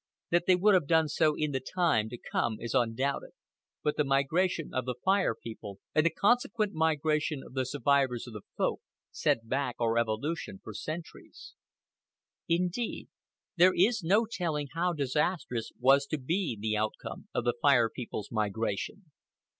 That they would have done so in the time to come is undoubted; but the migration of the Fire People, and the consequent migration of the survivors of the Folk, set back our evolution for centuries. Indeed, there is no telling how disastrous was to be the outcome of the Fire People's migration.